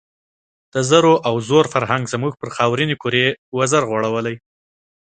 د زرو او زور فرهنګ زموږ پر خاورینې کُرې وزر غوړولی.